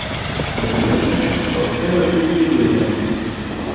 Нелюдяність властива тільки людям.